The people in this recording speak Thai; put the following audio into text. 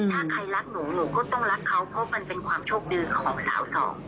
ถ้าใครรักหนูหนูก็ต้องรักเขาเพราะมันเป็นความโชคดีของสาวสอง